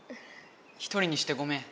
一人にしてごめん！